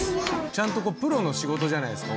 ちゃんとプロの仕事じゃないですか。